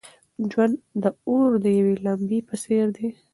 ژوند د اور د یوې لمبې په څېر دی.